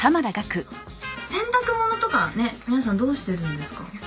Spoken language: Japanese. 洗濯物とかね皆さんどうしてるんですか？